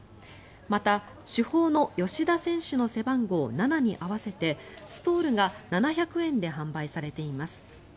また、主砲の吉田選手の背番号７に合わせてストールが７００円で販売されています。